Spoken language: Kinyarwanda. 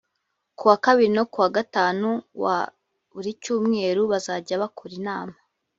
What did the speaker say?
kuwa kabiri no ku wa gatanu wa buri cyumweru bazajya bakora inama